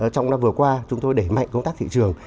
trong năm vừa qua chúng tôi đẩy mạnh công tác thị trường